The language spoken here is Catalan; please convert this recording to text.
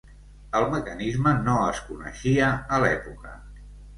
El mecanisme no es coneixia a l'època.